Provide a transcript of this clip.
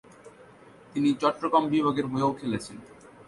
তিনি চট্টগ্রাম বিভাগের হয়েও খেলছেন।